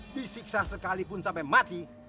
disiksa sekali pun sampe mati